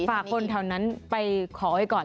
ฝากคนแถวนั้นไปขอไว้ก่อน